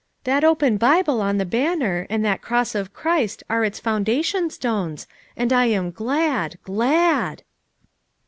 That open Bible on the banner, and that cross of Christ are its foundation stones ; and I am glad, glad!"